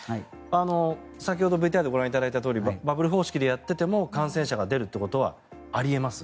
先ほどＶＴＲでご覧いただいたとおりバブル方式でやっていても感染者が出るということはあり得ます。